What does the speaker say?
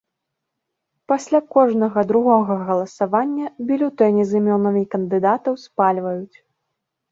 Пасля кожнага другога галасавання бюлетэні з імёнамі кандыдатаў спальваюць.